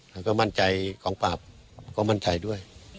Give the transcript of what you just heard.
แล้วก็มั่นใจกองปราบก็มั่นใจด้วย